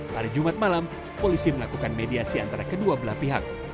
pada jumat malam polisi melakukan mediasi antara kedua belah pihak